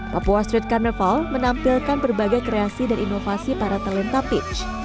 papua street carnaval menampilkan berbagai kreasi dan inovasi para talenta pitch